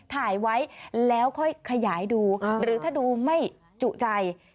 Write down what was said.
ถ่ายไว้แล้วค่อยขยายดูหรือถ้าดูไม่จุใจ